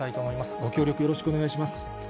ご協力よろしくお願いします。